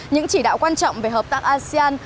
những chỉ đạo quan trọng về hợp tác asean